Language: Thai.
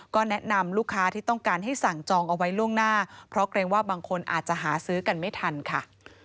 ก็แนะนำลูกค้าที่ต้องการให้สั่งจองเอาไว้ล่วงหน้าเพราะเกรงว่าบางคนอาจจะหาซื้อกันไม่ทันค่ะ